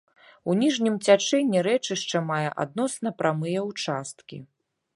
У ніжнім цячэнні рэчышча мае адносна прамыя ўчасткі.